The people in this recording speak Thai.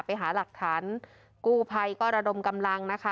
ไปหาหลักฐานกู้ภัยก็ระดมกำลังนะคะ